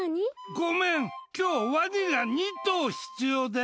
ごめん、今日ワニが２頭必要で。